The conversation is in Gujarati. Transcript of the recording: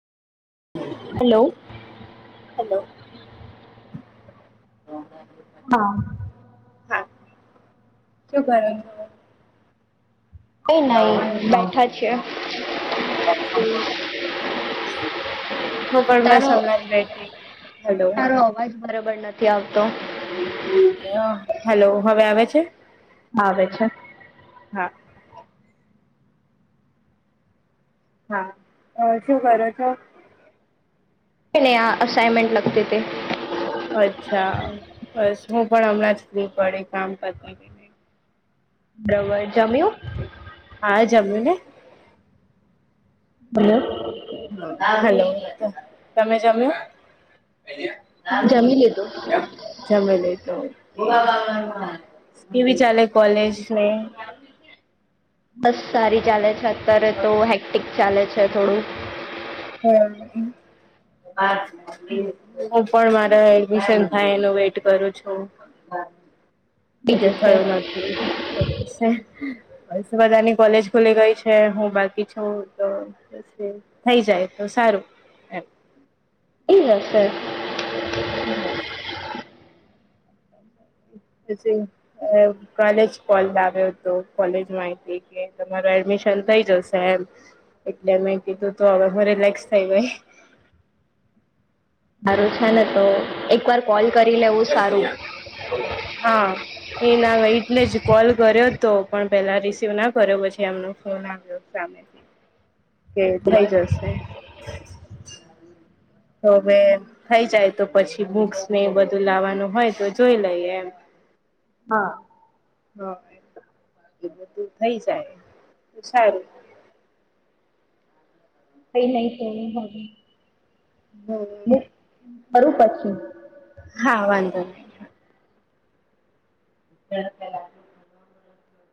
હલો હેલો હા હા શું કરો છો કઈ [unintelligible] નહીં બેઠા છે હુ પણ બસ તારો હમણાં બેઠી હલો બરોબર નથી આવતો હેલો, હવે આવે છે? આવે છે. હા હા, અ શું કરો છો? કાઈ નહી આ અસાઇનમેન્ટ લખતી તી. અચ્છા, બસ હું પણ હમણાં જ ફ્રી પડી કામ કરતીને. તમે જમ્યું? હા જમ્યું ને. [unintelligible] તમે જમ્યુ? જમી લીધું [inaudible] જમી લીધું, કેવી ચાલે કોલેજ ને એ? બસ સારી ચાલે છે, અત્યારે તો હેક્ટિક ચાલે છે થોડું. હમ્મ હું પણ મારા એડમિશન થાય એનું વેટ કરું છું. થઈ હજી જશે થયું નથી. થઈ જસે, બસ બધાની કોલેજ ખુલી ગઈ છે, હું બાકી છું તો. થઈ જાય તો સારું. એમ થઈ જશે. હઆ [unintelligible] અ કાલેજ કોલ આવ્યો હતો, કોલેજ માઈથી કે તમારો એડમિશન થઈ જશે. એમ, એટલે મે કીધું તો હવે મે રિલેક્સ થઈ ગઈ. હારું છેને, તો એકવાર કોલ હા. કરી લેવું બસ સારું. હા. એના વહે એટલે જ કોલ કર્યો તો, પણ પેલા રિસીવ ના કર્યો, પછી એમનો ફોન આવ્યો સામેથી. કે થઇ જસ સે, તો હવે થઈ જાય તો પછી બુક્સને એ બધું લાવવાનું હોયતો, જોઈ લઈએ એમ. હા હ એ બધું થઈ જાય, તો સારું. કંઈ નહીં તોવું [unintelligible] હમ્મ હું કરું પછી. હા વાંધો નહીં. [unintelligible]